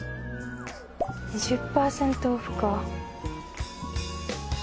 ２０％オフか。